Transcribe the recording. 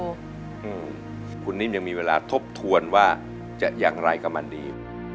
อืมคุณนิ่มยังมีเวลาทบทวนว่าจะอย่างไรกับมันดี